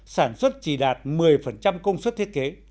sản xuất chỉ đạt một mươi công suất thiết kế